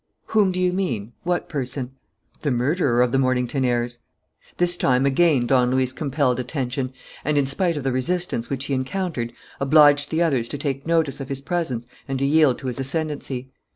"Whom do you mean? What person?" "The murderer of the Mornington heirs." This time again Don Luis compelled attention and, in spite of the resistance which he encountered, obliged the others to take notice of his presence and to yield to his ascendancy.